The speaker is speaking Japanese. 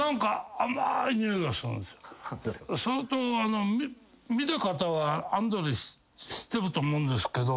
それと見た方はアンドレ知ってると思うんですけど。